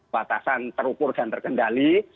batasan terukur dan terkendali